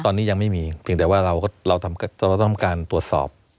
ตอนนี้ยังไม่มีเพียงแต่ว่าเราต้องการตรวจสอบ